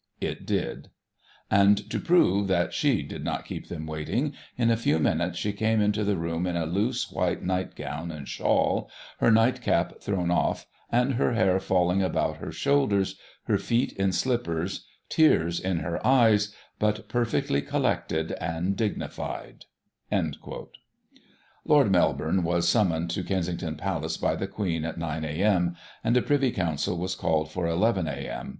It did ; and, to prove that she did not keep them waiting, in a few minutes she came into /^the room in a loose white night gown and shawl, her nightcap thrown off, and her hair falling upon her shoulders, her feet ,in slippers, tears in her eyes, but perfectly collected and dignified." Lord Melbourne was summoned to Kensington Palace by the Queen at 9 am., and a Privy Council was called for 1 1 a.m.